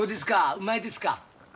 うまいです。